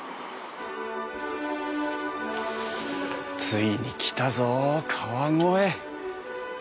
ついに来たぞ川越！